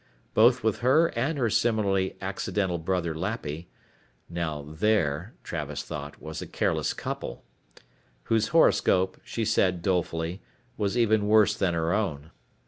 Both with her and her similarly accidental brother Lappy now there, Travis thought, was a careless couple whose horoscope, she said dolefully, was even worse than her own.